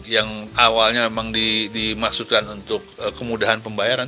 yang awalnya memang dimaksudkan untuk kemudahan pembayaran